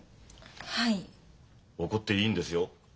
怒っていいんですよ。